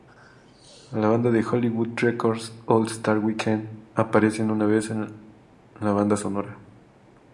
La banda de Hollywood Records, "Allstar Weekend" aparecen una vez en la banda sonora.